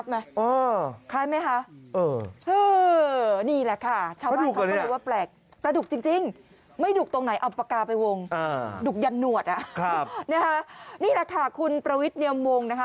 นี่แหละค่ะคุณประวิทย์เนียมวงนะคะ